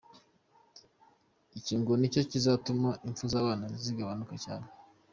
Icyo ngo nicyo kizatuma impfu z’abana zigabanuka cyane.